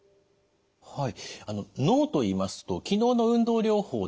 脳といいますと昨日の運動療法でですね